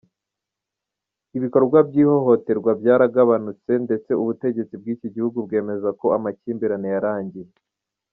Ibikorwa by’ihohoterwa byaragabanutse ndetse ubutegetsi bw’iki gihugu bwemeza ko amakimbirane yarangiye.